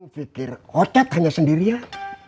fikir ocat hanya sendirian